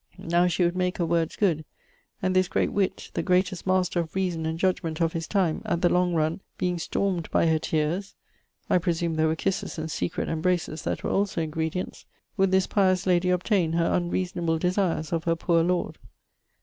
Now she would make her words good; and this great witt, the greatest master of reason and judgement of his time, at the long runne, being storm'd by her teares (I presume there were kisses and secret embraces that were also ingredients), would this pious lady obtain her unreasonable desires of her poor lord.